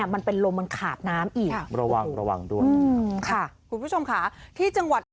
มันเป็นลมมันขาดน้ำอีกระวังด้วยค่ะ